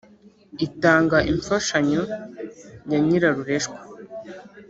itanga imfashanyo ya nyirarureshwa